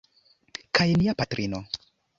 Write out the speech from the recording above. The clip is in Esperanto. Kaj nia patrino!